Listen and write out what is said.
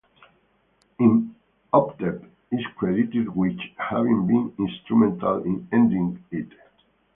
Imhotep is credited with having been instrumental in ending it.